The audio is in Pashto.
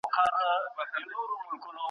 نمبر په موښلولو سره د عامو خلکو پر مخ خلاص